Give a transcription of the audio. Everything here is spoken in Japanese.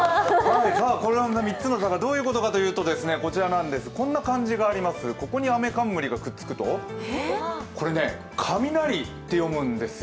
３つの田がどういうことかというと、こんな漢字があります、ここにあめかんむりがくっつくとこれね、カミナリって読むんですよ